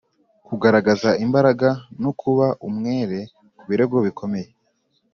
kugaragaza imbaraga n’ukuba umwere ku birego bikomeye.